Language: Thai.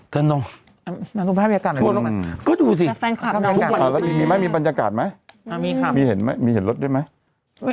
เทินตรงทุกคนมีบรรยากาศไหมมีเห็นรถด้วยไหม